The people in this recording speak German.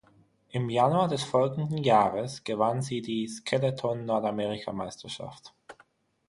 Im Januar des folgenden Jahres gewann sie die Skeleton-Nordamerikameisterschaft.